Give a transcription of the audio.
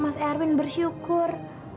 mas erwin bersyukur